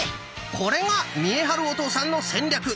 これが見栄晴お父さんの戦略！